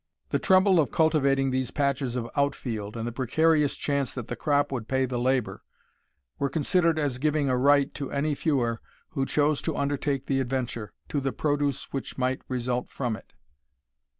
The trouble of cultivating these patches of out field, and the precarious chance that the crop would pay the labour, were considered as giving a right to any feuar, who chose to undertake the adventure, to the produce which might result from it.